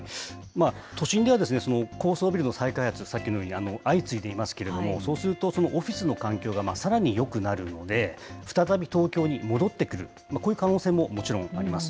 都心では高層ビルの再開発、さっきのように相次いでいますけれども、そうすると、オフィスの環境がさらによくなるので、再び東京に戻ってくる、こういう可能性ももちろんあります。